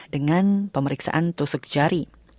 dengan pemeriksaan tusuk jari